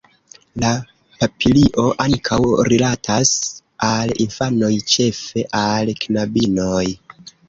La papilio ankaŭ rilatas al infanoj, ĉefe al knabinoj.